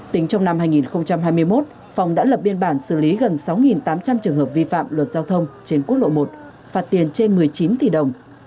tính trong năm hai nghìn hai mươi một phòng đã lập biên bản xử lý gần sáu tám trăm linh trường hợp vi phạm luật giao thông trên quốc lộ một phạt tiền trên một mươi chín tỷ đồng